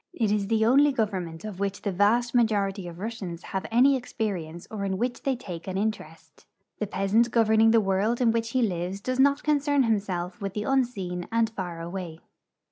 It is the only government of which the vast majority of Russians have any experience or in which they take an interest. The peasant gov ' crning the world in which he lives does not concern himself with the unseen and far away.